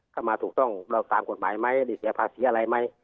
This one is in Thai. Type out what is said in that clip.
มาถูกต้องเราตามกฎหมายไหมหรือเสียภาษีอะไรไหม